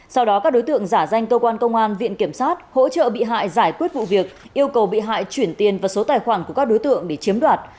sau đó các đối tượng giả danh cơ quan công an viện kiểm sát hỗ trợ bị hại giải quyết vụ việc yêu cầu bị hại chuyển tiền vào số tài khoản của các đối tượng để chiếm đoạt